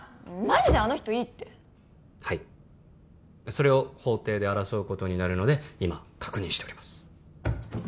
マジであの人いいってはいそれを法廷で争うことになるので今確認しております